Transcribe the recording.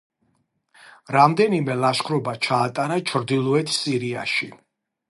რამდენიმე ლაშქრობა ჩაატარა ჩრდილოეთ სირიაში.